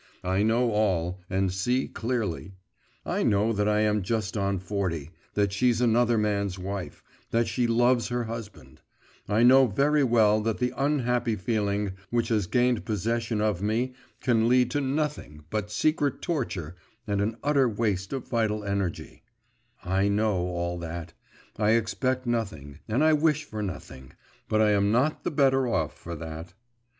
I know all, and see clearly. I know that I am just on forty, that she's another man's wife, that she loves her husband; I know very well that the unhappy feeling which has gained possession of me can lead to nothing but secret torture and an utter waste of vital energy I know all that, I expect nothing, and I wish for nothing; but I am not the better off for that.